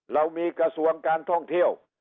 เรามีกระทรวงการท่องเที่ยว